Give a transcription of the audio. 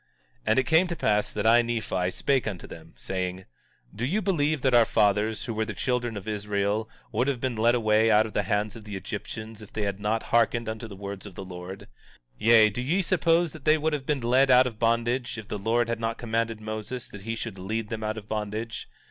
17:23 And it came to pass that I, Nephi, spake unto them, saying: Do ye believe that our fathers, who were the children of Israel, would have been led away out of the hands of the Egyptians if they had not hearkened unto the words of the Lord? 17:24 Yea, do ye suppose that they would have been led out of bondage, if the Lord had not commanded Moses that he should lead them out of bondage?